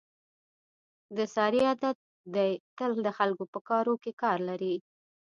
د سارې عادت دی تل د خلکو په کاروکې کار لري.